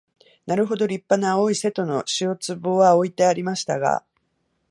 なるほど立派な青い瀬戸の塩壺は置いてありましたが、